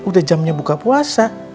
udah jamnya buka puasa